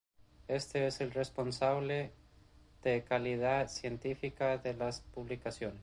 Este es responsable de la calidad científica de las publicaciones.